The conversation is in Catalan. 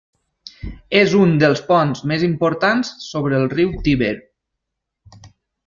És un dels ponts més importants sobre el riu Tíber.